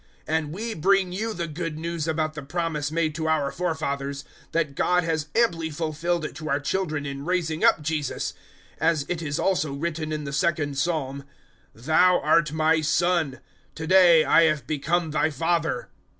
013:032 And we bring you the Good News about the promise made to our forefathers, 013:033 that God has amply fulfilled it to our children in raising up Jesus; as it is also written in the second Psalm, `Thou art My Son: to day I have become Thy Father.'